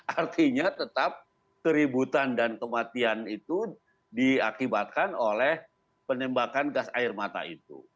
artinya tetap keributan dan kematian itu diakibatkan oleh penembakan gas air mata itu